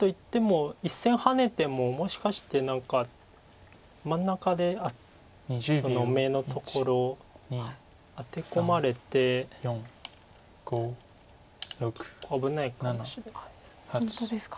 １線ハネてももしかして何か真ん中で眼のところアテ込まれて危ないかもしれないです。